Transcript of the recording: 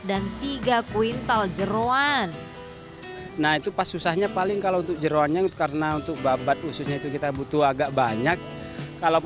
dan tiga kuintal jeruan nah itu pas susahnya paling kalau untuk jeruannya karena untuk babat ususnya